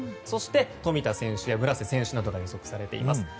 そして、冨田選手や村瀬選手などが予測されています。